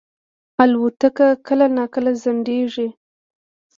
الوتکه کله ناکله ځنډېږي.